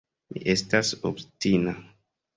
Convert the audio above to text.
Mi estas obstina.